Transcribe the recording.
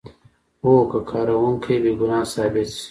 هو که کارکوونکی بې ګناه ثابت شي.